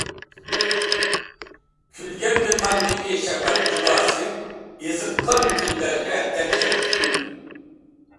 كۈلگەندە تاڭدىكى شەپەق جۇلاسى، ئېزىققان كۈنلەرگە دەھشەت ئۆكۈندۈم.